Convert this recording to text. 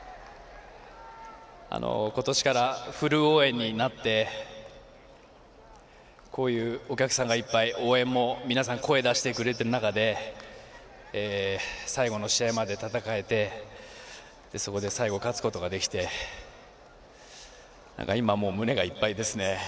今年からフル応援になってこういうお客さんがいっぱい応援も、皆さん声を出してくれてる中で最後の試合まで戦えてそこで最後、勝つことができて今もう、胸がいっぱいですね。